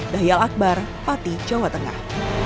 dahil akbar pati jawa tengah